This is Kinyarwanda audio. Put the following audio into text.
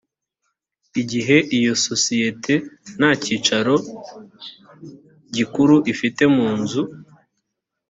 igihe iyo isosiyete nta cyicaro gikuru ifite munzu